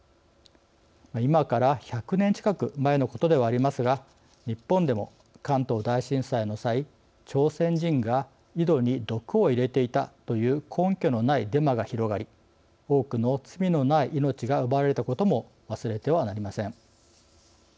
今から１００年近く前のことではありますが日本でも関東大震災の際朝鮮人が井戸に毒を入れていたという根拠のないデマが広がり多くの罪のない命が奪われたことを忘れてはなりません。